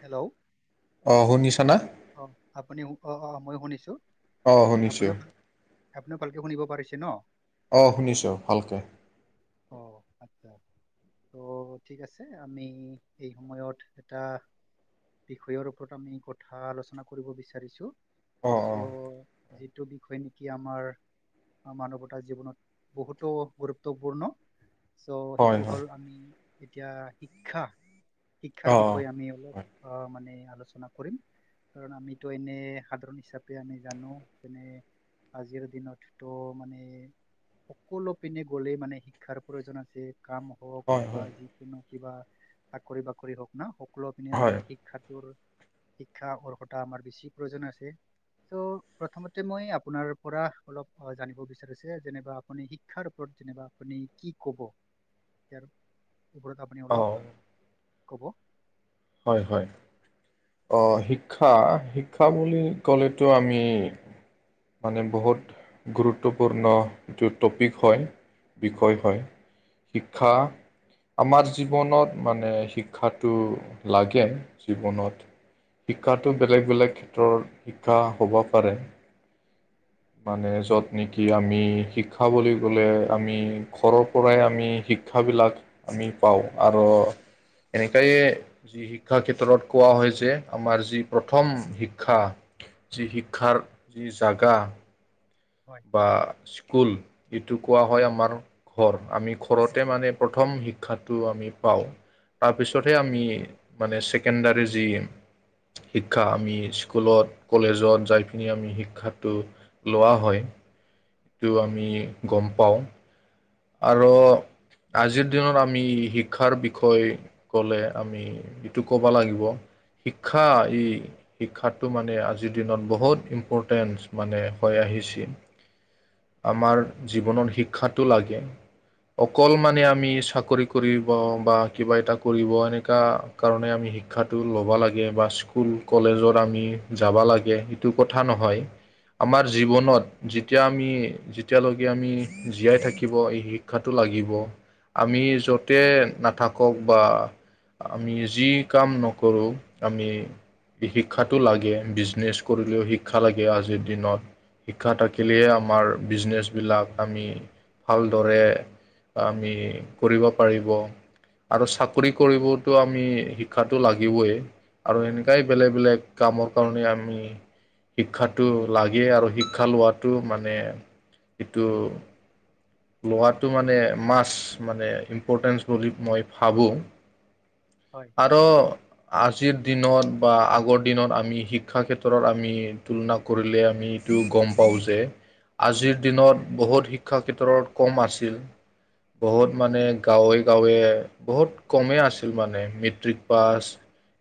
Hello অঁ শুনিছ না অঁ অঁ মই শুনিছোঁ অঁ শুনিছোঁ আপুনিও ভাল আপুনিও ভালকৈ শুনিব পাৰিছে ন অ শুনিছোঁ ভালকে অ আচ্ছা ত' ঠিক আছে আমি এই সময়ত এটা বিষয়ৰ ওপৰত আমি কথা আলোচনা কৰিব বিচাৰিছো অঁ চ' অঁ যিটো বিষয় নেকি আমাৰ মানৱতা জীৱনত বহুতো গুৰুত্বপূৰ্ণ চ' হয় সেইটো হয় হ'ল আমি এতিয়া শিক্ষা শিক্ষাৰ অ বিষয়ে আমি অ অঁ মানে আলোচনা কৰিম। কাৰণ আমিতো এনে সাধাৰণ হিচাপে আমি জানো যেনে আজিৰ দিনতটো মানে সকলো পিনে গ'লেই মানে শিক্ষাৰ প্ৰয়োজন আছে। কাম হওক হয় বা হয় যিকোনো কিবা চাকৰি বাকৰি হওক না বোৰৰ পিনে মানে হয় শিক্ষাটোৰ শিক্ষা অৰ্হতা আমাৰ বেছি প্ৰয়োজন আছে। চ' প্ৰথমতে মই আপোনাৰ পৰা অলপ জানিব বিচাৰিছে যেনিবা আপুনি শিক্ষাৰ ওপৰত যেনেবা আপুনি কি কব? ইয়াৰো ওপৰত আপুনি অ অলপ ক'ব। হয় হয়। আহ শিক্ষা - শিক্ষা বুলি ক'লেতো আমি মানে বহুত গুৰুত্বপূৰ্ণ যিটো টপিক হয়। বিষয় হয়, শিক্ষা আমাৰ জীৱনত মানে শিক্ষাটো লাগে জীৱনত। শিক্ষাটো বেলেগ- বেলেগ ক্ষেত্ৰৰ শিক্ষা হ'ব পাৰে। মানে য'ত নেকি আমি শিক্ষা বুলি ক'লে আমি ঘৰৰ পৰাই আমি শিক্ষাবিলাক আমি পাওঁ আৰু। এনেকাইয়ে যি শিক্ষা ক্ষেত্ৰত কোৱা হয় যে আমাৰ যি প্ৰথম শিক্ষা যি শিক্ষাৰ যি জাগা হয় বা স্কুল এইটো কোৱা হয় আমাৰ ঘৰ আমি ঘৰতে মানে প্ৰথম শিক্ষাটো আমি পাওঁ। তাৰপিছতহে আমি মানে ছেকেণ্ডাৰী যি শিক্ষা আমি স্কুলত কলেজত যাই পিনি আমি শিক্ষাটো লোৱা হয়। টো আমি হয় গম পাওঁ আৰু আজিৰ দিনত আমি শিক্ষাৰ বিষয়ে কলে আমি এইটো ক'ব লাগিব শিক্ষা ই শিক্ষাতটো মানে আজিৰ দিনত বহুত ইম্পৰটেন্ট মানে হৈ আ আমাৰ জীৱনত শিক্ষাটো লাগে। [inaudible] অকল মানে আমি চাকৰি কৰিব বা কিবা এটা কৰিব এনেুৱা কাৰণে আমি শিক শিক্ষাটো ল'ব লাগে বা স্কুল কলেজত আমি যাব লাগে সেইটো কথা নহয়। আমাৰ জীৱনত যেতিয়া আমি যেতিয়ালৈকে আমি জীয়াই থাকিব। শিক্ষাটো লাগিব, আমি য'তে নাথাকক বা আমি যি কাম নকৰোঁ, আমি শিক্ষাটো লাগে বিজনেচ কৰিলেও শিক্ষা লাগে, আজিৰ দিনত শিক্ষা থাকিলে আমাৰ বিজনেচ বিলাক আমি ভাল দৰে আমি কৰিব পাৰিব। আৰু চাকৰি কৰিবতো আমি শিক্ষাটো লাগিবই। আৰু এনেকাই বেলেগ, বেলেগ কামৰ কাৰণে আমি শিক্ষাটো লাগে, আৰু শিক্ষা লোৱাটো মানে ইটো লোৱাটো মানে, মাচ মানে ইম্পৰটেঞ্চ বুলি মই ভাবোঁ। হয় আৰু আ আজিৰ দিনত বা আগৰ দিনত আমি শিক্ষা ক্ষেত্ৰৰত আমি তুলনা কৰিলে আমি ইটো গম পাওঁ যে, আজিৰ দিনত বহুত শিক্ষা ক্ষেত্ৰৰত কম আছিল। বহুত মানে গাঁৱে, গাঁৱে বহুত কমেই আছিল মানে মেট্ৰিক পাছ।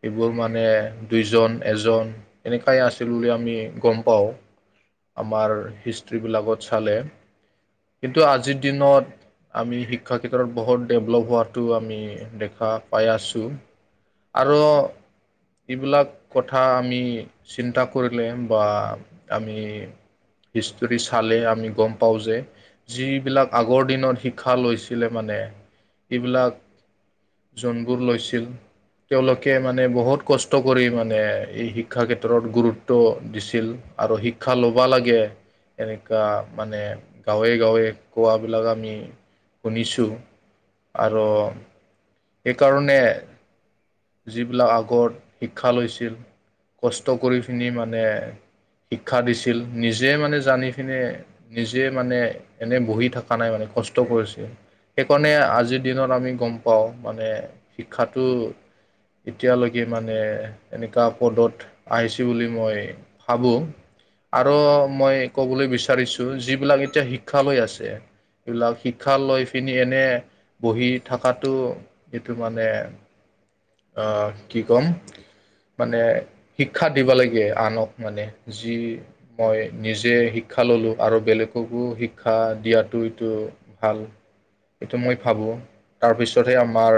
এইবোৰ মানে দুইজন, এজন এনেকাই আছিল বুলি আমি গম পাওঁ। আমাৰ হিষ্ট্ৰী বিলাকত চালে কিন্তু আজিৰ দিনত আমি শিক্ষাৰ ক্ষেত্ৰত বহুত ডেভলপ হোৱাতো আমি দেখা পাই আছোঁ। আৰু এইবিলাক কথা আমি চিন্তা কৰিলে বা আমি হিষ্টৰী চালে আমি গম পাওঁ যে যিবিলাক আগৰ দিনত শিক্ষা লৈছিলে মানে এইবিলাক যোনবোৰ লৈছিল তেওঁলোকে মানে বহুত কষ্ট কৰি মানে এই শিক্ষাৰ ক্ষেত্ৰত গুৰুত্ব দিছিল। আৰু শিক্ষা লবা লাগে এনেকুৱা মানে গাঁৱে গাঁৱে কোৱাবিলাক আমি শুনিছোঁ আৰু সেইকাৰণে যিবিলাক আগত শিক্ষা লৈছিল কষ্ট কৰি পিনি মানে শিক্ষা দিছিল নিজে মানে, জানি পিনে নিজে মানে এনে বহি থকা নাই মানে। কষ্ট কৰিছে। সেইকাৰণে আজিৰ দিনত আমি গম পাওঁ মানে শিক্ষাটো এতিয়ালৈকে মানে এনেকুৱা পদত আহিছে বুলি মই ভাবো। আৰু হয় মই ক'বলৈ বিচাৰিছোঁ যিবিলাক এতিয়া শিক্ষা লৈ আছে এইবিলাক শিক্ষা লৈ পিনি এনে বহি থকাতো এইটো মানে [inaudible] আহ, কি কয় মানে শিক্ষা দিব লাগে আনক মানে, যি মই নিজে শিক্ষা শিক্ষা ল'লোঁ আৰু বেলেগকো শিক্ষা দিয়াতটো এইটো ভাল। সেইটো মই ভাবোঁ তাৰপিছতহে হয় আমাৰ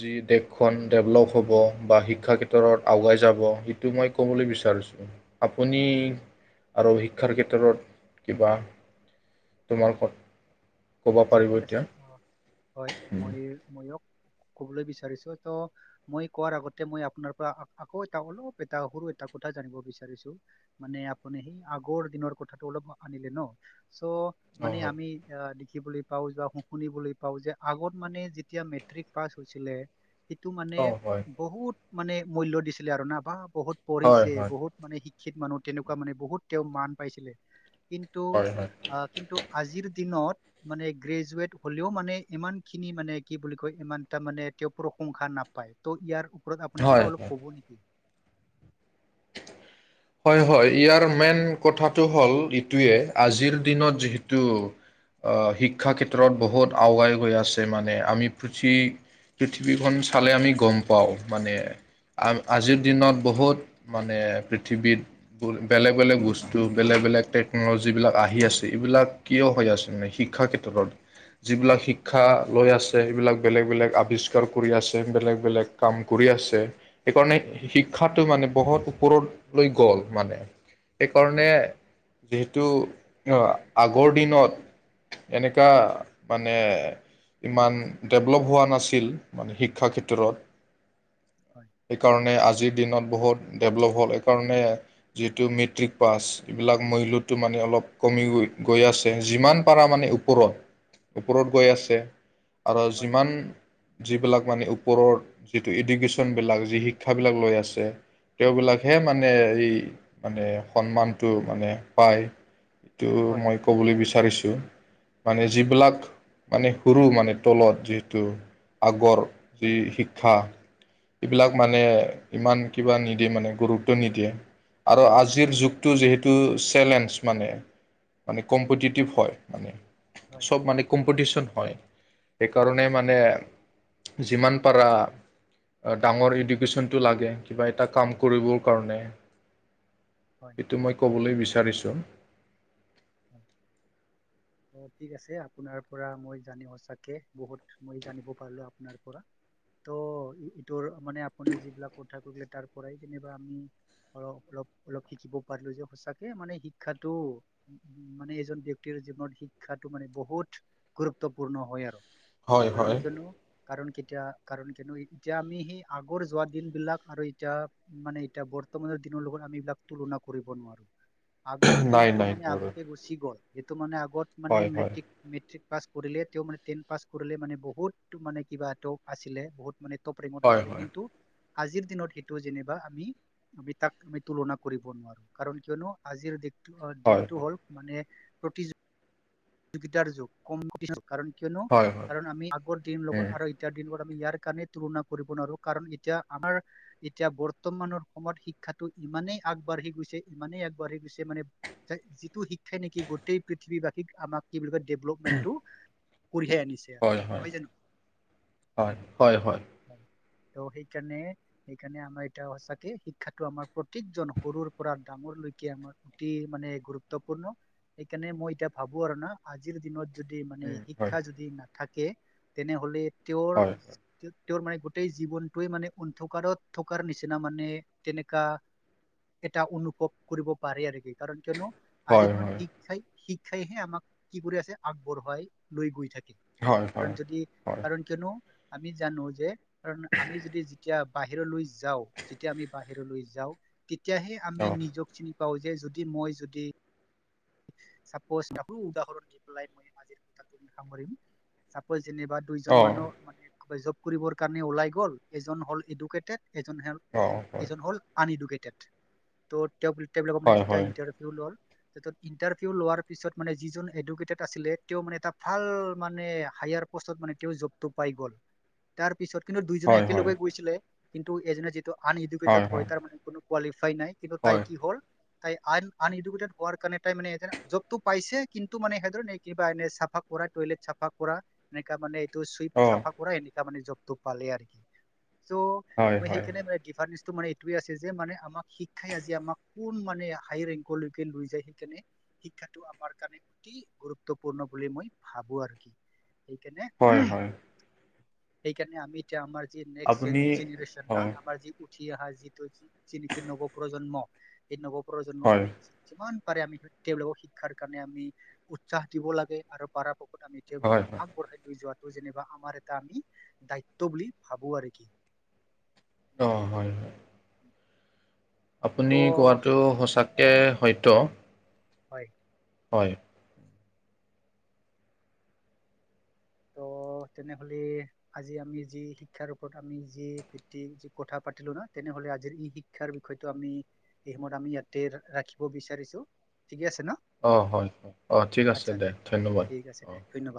যি দেশখন ডেভলপ হ'ব বা শিক্ষাৰ ক্ষেত্ৰত আগুৱাই যাব সেইটো মই ক'বলৈ বিচাৰিছোঁ। আপুনি আমি আৰু শিক্ষাৰ ক্ষেত্ৰত কিবা অ তোমাৰ ক'ব আচ্ছা পাৰিব ঠিক আছে এতিয়া অ হয় মই মইয়োক কবলৈ বিচাৰিছো ত মই কোৱাৰ আগতে মই আপোনাৰ পৰা আকৌ এটা অলপ এটা সৰু এটা কথা জানিব বিচাৰিছো মানে আপুনি সেই আগৰ দিনৰ কথাটো অলপ আনিলে ন চ' অঁ মানে হয় আমি আ দেখিবলৈ পাও বা শুনিবলৈ পাও যে আগত মানে যেতিয়া মেট্ৰিক পাছ হৈছিলে সেইটো মানে অঁ হয় বহুত মানে মূল্য দিছিলে আৰু না বা বহুত হয় পঢ়িছে হয় বহুত মানে শিক শিক্ষিত মানুহ তেনেকুৱা মানে বহুত তেওঁ মান পাইছিলে কিন্তু হয় হয় আহ কিন্তু আজিৰ দিনত মান গ্ৰজোৱেট হলেও মানে ইমান খিনি মানে কি বুলি কয় ইমান টা মান মানে তেওঁ প্ৰশংসা নাপায় ত' ইয়াৰ ওপৰত আপুনি হয় কিবা অলপ হয়। কব নেকি হয় হয় ইয়াৰ মেইন কথাটো হ'ল ইটোৱে আজিৰ দিনত যিহেতু শিক্ষা ক্ষেত্ৰত বহুত আগুৱাই গৈ আছে মানে আমি পৃথি পৃথিৱীখন চালে আমি গম পাওঁ মানে আ আজিৰ দিনত বহুত মানে পৃ পৃথিৱীত বেলেগ বেলেগ বস্তু বেলেগ বেলেগ টেকন'লজী বিলাক আহি আছে এইবিলাক কিয় হয় আছে মানে শিক্ষাৰ ক্ষেত্ৰত যিবিলাক শিক্ষা লৈ আছে এইবিলাক বেলেগ বেলেগ আৱিষ্কাৰ কৰি আছে বেলেগ বেলেগ কাম কৰি কৰি আছে সেইকাৰণে শিক্ষাটো মানে বহুত ওপৰত লৈ গল মানে সেইকাৰণে যিহেতু আগৰ দিনত এনেকা মানে ইমান ডেভেলপ হোৱা নাছিল মানে শিক্ষাৰ ক্ষেত্ৰত হয় সেইকাৰণে আজিৰ দিনত বহুত ডেভেলপ হ'ল কাৰণে মেট্ৰিক পাছ এইবিলাক মূল্যটো মানে অকপ কমি গৈ আছে। যিমান পাৰা মানে ওপৰত, ওপৰত গৈ আছে। আৰু হয় যিমান যিবিলাক মানে ওপৰত যিটো এডুকেশ্যনবিলাক যি শিক্ষাবিলাক লৈ আছে তেওঁবিলাক হে মানে এই মানে সন্মানটো মানে পায়। এইটো হয় মই ক'বলৈ বিচাৰিছো। মানে যিবিলাক হয় মানে কৰোঁ মানে তলত যিহেতু আগৰ যি শিক্ষা এইবিলাক মানে ইমান কিবা নিদিয়ে মানে গুৰুত্ব নিদিয়ে আৰু হয় আজিৰ যুগটো যিহেতু চেলেনচ মানে, মানে কম্পিটিটিভ হয়, মানে। হয় চব মানে কম্পিটিশ্যন হয়। সেইকাৰণে মানে যিমান পাৰা ডাঙৰ এডুকেশ্যনটো লাগে, কিবা এটা কাম কৰিবৰ কাৰণে, হয় এইটো মই ক'বলৈ বিচাৰিছোঁ। হয় [inaudible] অঁ ঠিক আছে। আপোনাৰ পৰা মই জানি সঁচাকে বহুত মই জানিব পাৰিলোঁ আপোনাৰ পৰা। ত' ইটোৰ মানে আপুনি যিবিলাক কথা কৈলে তাৰ পৰাই যেনিবা আমি অ অলপ অলপ শিকিব পাৰিলো যে সঁচাকে মানে শিক্ষাটো উম মানে এজন ব্যক্তিৰ জীৱনত শিক্ষাটো মানে বহুত গুৰুত্বপূৰ্ণ হয় আৰু। হয় কাৰণ হয় কিয়নো কাৰণ কি এতিয়া কাৰণ কিয়নো এতিয়া আমি সেই আগৰ যোৱা দিন বিলাক আৰু এতিয়া মানে এতিয়া বৰ্তমানৰ দি নৰ লগত আমি এইবিলাক তুলনা কৰিব নোৱাৰো। আগৰ নাই দিনটো নাই মানে বাৰু। আগতে গুচি গ'ল। সেইটো মানে আগত মানে হয় হয় মেট্ৰিক মেট্ৰিক পাছ কৰিলে, তেওঁ মানে টেন পাছ কৰিলে মানে বহুতটো মানে কিবাটো আছিলে বহুত মানে তপ ৰেঙত হয় আছিলে হয় কিন্তু, আজিৰ দিনত সেইটো যেনিবা আমি আমি তাক আমি তুলনা কৰিব নোৱাৰো। কাৰণ কিয়নো আজিৰ দে হয় দিনটো হ'ল মানে প্ৰতিযোগিতাৰ যুগ। কম্পিটিচন কাৰণ কিয়নো, হয় হয় কাৰণ আমি আগৰ দিন লগত হয় আৰু এতিয়াৰ দিনবোৰ আমি ইয়াৰ কাৰণে তুলনা কৰিব নোৱাৰো। কাৰণ এতিয়া আমাৰ এতিয়া বৰ্তমানৰ সময়ত শিক্ষাটো ইমানেই আগবাঢ়ি গৈছে, ইমানেই আগবাঢ়ি গৈছে, মানে যিটো শিক্ষাই নেকি গোটেই পৃথিৱীবাসীক আমাক কি বুলি কয় ডেভ‌লপমেন্টটো কঢিয়াই আনিছে। হয় হয় নহয় জানো? হয় হয় হয় ত সেইকাৰণে সেইকাৰণে আমাৰ এতিয়া সচাকে শিক্ষাটো আমাৰ প্ৰত্যেকজন সৰুৰ পৰা ডা ডাঙৰ লৈকে আমাৰ গোটৈই মানে গুৰুত্বপূৰ্ণ। সেইকাৰণে মই এতিয়া ভাবো আৰু না, আজিৰ দিনত যদি মানে শিক্ষা যদি নাথাকে তেনেহলে, তেওঁৰ হয় হয় তেওঁৰ মানে গোটেই জীৱনটোৱে মানে অন্ধকাৰত থকাৰ নিচিনা মানে তেনেকা। এটা অনুভৱ কৰিব পাৰেি আৰু কি কাৰণ কিয়নো। আজিৰ হয় দিনত হয় শিক্ষাই শিক্ষাইহে আমাক কি কৰি আছে আগবঢ়োৱাই লৈ গৈ থাক হয়, কাৰণ হয়, যদি হয়, কাৰণ কিয়নো। আমি জানো যে কাৰণ আমি যদি যেতিয়া বাহিৰলৈ যাওঁ যেতিয়া আমি বাহিৰলৈ যাওঁ। তেতিয়াহে আমি অ', নিজক চিনি পাওঁ যে যদি মই যদি চাপজ উদাহৰণ দি পেলাই মইাজিৰ কথা সামৰিম চাপজ যেনিবা অ', দুইজন অ', মানুহ মানে জব কৰিবৰ কাৰণে ওলাই গ'ল এজন হ'ল এডুকেটেড এজন হেল হয়, এজন হ'ল আন এডুকেটেড ত' তেওঁ বু পানে হয়, যেতিয়া হয়, ইণ্টাৰভিউ ল'ল ইণ্টাৰভিউ লোৱাৰ পিছত মানে যিজন এডুকেটেড আছিলে তেওঁ মানে এটা ভাল মানে হায়াৰ প'ষ্টত মানে তেওঁ জবটো পাই গ'ল তাৰ পিছত কিন্তু দুইজনে হয়, হয়, একেলগে গৈছিলে কিন্তু এজনে যিটো আন এডুকেটেড হয় তাৰ মানে কোনো কোৱালি নাই কিন্তু তাই হয়, কি হ'ল তাই আন আন এডুকেটেড হোৱাৰ তাই মানে যবটো পাইছে কিন্তু মানে সেই কিবা এ চফা কৰা তইলেত চাফা কৰা। এ মানে। সুইফ অ', চাফা কৰা এনেকা মানে জবটো পালে আৰু সি চো হয়, হয়, সেইেকৰনে মনে কিফৰ মি মানে এইটোয়ে আছে যে মানে আমাক শিক্ষাই আজি আমাক কোন মানে হাই ৰেংকলৈকে লৈ যায়। ণে শিক্ষাটো আমাৰ কাৰণে অতি গুৰুত্বপূৰ্ণ বুলি মই ভাবো আৰু কি সেইকাৰণে হয়, হয়, সেইকাৰণে আমি এতিয়া আমাৰ নেষ্ট যে আপুনি যেনেৰেচন না হয়, আমাৰ যি উঠি অহা যিটো যি নেকি নৱ প্ৰজন্ম সেই নৱপ্ৰজন্ম হয়, আমি যিমান পাৰে আমি তেওঁলোকক শিক্ষাৰ কাৰণে আমি উৎসাহ দিব লাগে আৰু পাৰাপ ক্ষত হয়, তেওঁলোকক হয়, আগবঢ়াই লৈ যোৱাত ত যেনিবা আমাৰ এটা আমি দায়িত্ব বুলি ভাবো আৰু কি? অ হয় হয়। ত আপুনি কোৱাটো সঁচাকে সত্য। হয়। হয়। অ তেনেহলে আজি আমি যি শিক্ষাৰ ওপৰত আমি যি ভিত্তিক যি কথা পাতিলো ন তেনে নেহলে আজিৰ ই শিক্ষাৰ বিষয়টো আমি এই সময়ত আমি ইয়াতে ৰাখিব বিচাৰিছো। ঠিকে আছে ন অ হয় হয় অ ঠিক আছে দে ধন্যবাদ, ঠিক আছে অ। দে ধন্যবাদ।